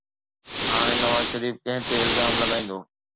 هاڻي نواز شريف ڪنهن تي الزام لڳائيندو؟